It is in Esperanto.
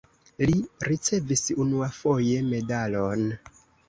Li ricevis unuafoje medalon.